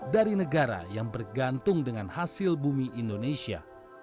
dari negara yang bergantung dengan hasil bumi indonesia